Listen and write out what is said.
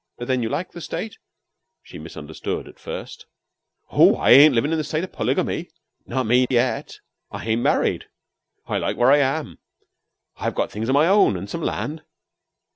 "Then you like the State?" She misunderstood at first. "Oh, I ain't livin' in the state of polygamy. Not me, yet. I ain't married. I like where I am. I've got things o' my own and some land."